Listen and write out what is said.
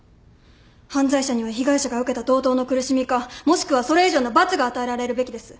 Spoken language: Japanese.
犯罪者には被害者が受けた同等の苦しみかもしくはそれ以上の罰が与えられるべきです。